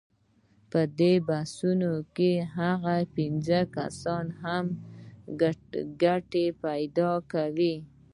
په دې بحثونو کې هغه کسان هم ګټې پیدا کوي.